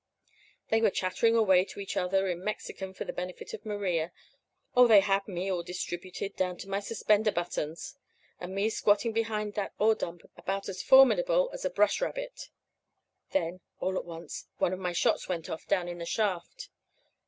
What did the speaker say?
They were chattering away to each other in Mexican for the benefit of Maria. Oh, they had me all distributed, down to my suspender buttons! And me squatting behind that ore dump about as formidable as a brush rabbit! "Then, all at once, one of my shots went off down in the shaft.